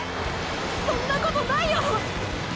そんなことないよ！